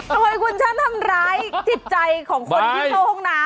ทำไมคุณช่างทำร้ายจิตใจของคนที่เข้าห้องน้ำ